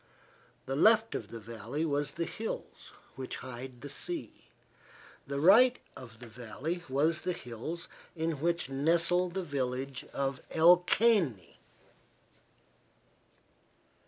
The left of the valley was the hills which hide the sea. The right of the valley was the hills in which nestle the village of El Caney.